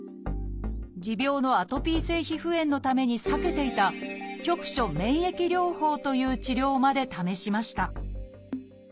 持病のアトピー性皮膚炎のために避けていた「局所免疫療法」という治療まで試しました